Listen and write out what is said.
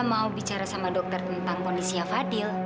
ya mau bicara sama dokter tentang kondisi fadil